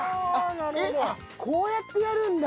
こうやってやるんだ。